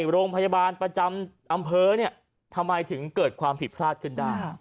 โรงพยาบาลประจำอำเภอทำไมถึงเกิดความผิดพลาดขึ้นได้